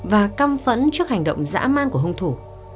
và căm phẫn trước hành động dã man của hung thủ